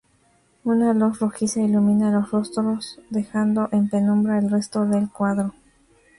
Una luz rojiza ilumina los rostros, dejando en penumbra el resto del cuadro.